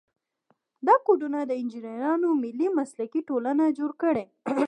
دا کودونه د انجینرانو ملي مسلکي ټولنې جوړ کړي.